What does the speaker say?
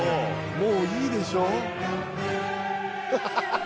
もういいでしょう？